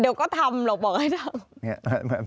เดี๋ยวก็ทำหรอกบอกให้ทำ